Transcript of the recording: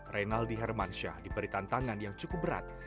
reynaldi hermansyah diberi tantangan yang cukup berat